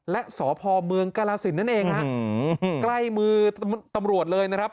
และสพเมืองกาลสินนั่นเองฮะใกล้มือตำรวจเลยนะครับ